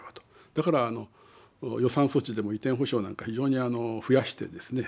だから予算措置でも移転補償なんか非常に増やしてですね